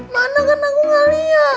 mana kan aku gak lihat